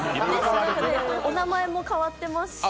お名前も変わってますし。